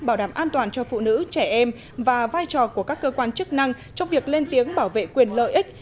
bảo đảm an toàn cho phụ nữ trẻ em và vai trò của các cơ quan chức năng trong việc lên tiếng bảo vệ quyền lợi ích